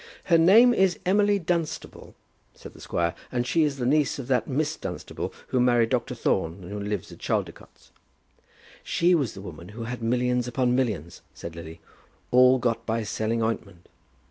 "Her name is Emily Dunstable," said the squire, "and she is the niece of that Miss Dunstable who married Dr. Thorne and who lives at Chaldicotes." "She was the woman who had millions upon millions," said Lily, "all got by selling ointment."